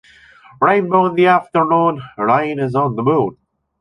Rainbow in the afternoon, rain is on the moon.